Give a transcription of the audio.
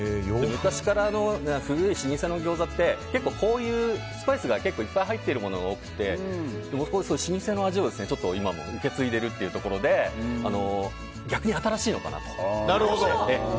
昔からある古い老舗のギョーザって結構、スパイスがいっぱい入ってるものが多くて老舗の味を今も受け継いでいるってところで逆に新しいのかなと。